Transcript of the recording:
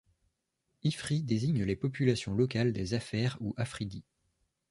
Ifri désigne les populations locales des Afers ou Afridi.